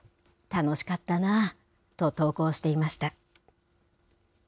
楽しかったなぁと、投稿していました。